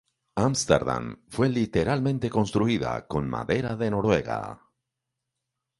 Ámsterdam fue literalmente construida con madera noruega.